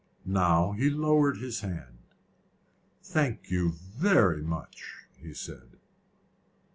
Now he lowered his hand. "Thank you very much," he said.